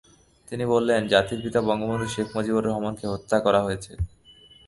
তিনি বলেন, জাতির পিতা বঙ্গবন্ধু শেখ মুজিবুর রহমানকে হত্যা করা হয়েছে।